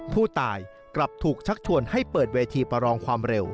ผู้ตายกลับถูกชักชวนให้เปิดเวทีประลองความเร็ว